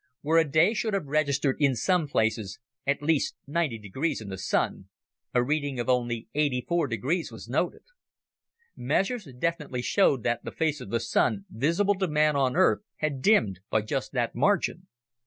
Where a day should have registered, in some places, at least 90° in the Sun, a reading of only 84° was noted. Measurements definitely showed that the face of the Sun visible to man on Earth had dimmed by just that margin.